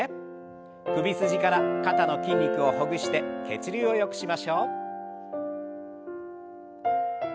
首筋から肩の筋肉をほぐして血流をよくしましょう。